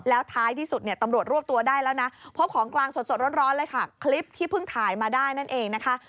แล้วท้ายที่สุดเนี่ยตำรวจรวบตัวได้แล้วนะพบของกลางสดร้อนเลยค่ะคลิปที่เพิ่งถ่ายมาได้นั่นเองนะคะ